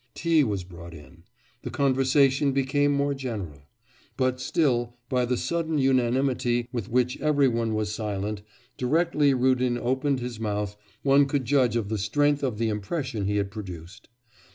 Tea was brought in. The conversation became more general, but still by the sudden unanimity with which every one was silent, directly Rudin opened his mouth, one could judge of the strength of the impression he had produced.